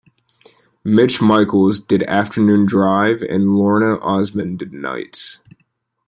Mitch Michaels did afternoon drive and Lorna Ozmon did nights.